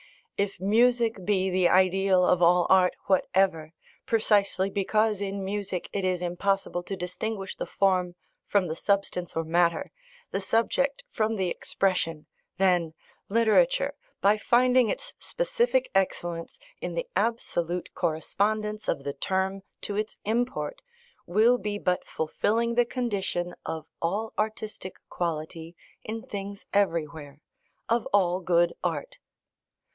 If music be the ideal of all art whatever, precisely because in music it is impossible to distinguish the form from the substance or matter, the subject from the expression, then, literature, by finding its specific excellence in the absolute correspondence of the term to its import, will be but fulfilling the condition of all artistic quality in things everywhere, of all good art.